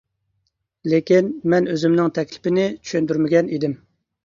لېكىن مەن ئۆزۈمنىڭ تەكلىپىنى چۈشەندۈرمىگەن ئىدىم.